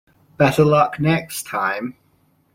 Better luck next time!.